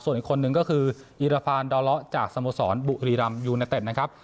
ส่วนอีกคนนึงก็คืออีราฟานดอเลาะจากสโมสรบุรีรำยูเนเต็ดนะครับ